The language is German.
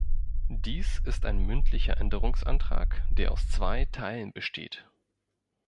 Dies ist ein mündlicher Änderungsantrag, der aus zwei Teilen besteht.